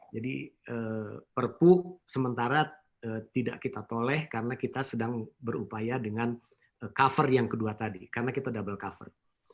jadi perpuk sementara tidak kita toleh karena kita sedang berupaya dengan cover yang kedua tadi karena kita double cover